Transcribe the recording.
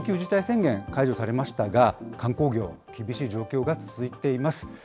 緊急事態宣言、解除されましたが、観光業、厳しい状況が続いています。